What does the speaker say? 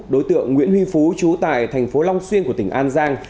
đối tượng nguyễn huy phú trú tại tp long xuyên của tỉnh an giang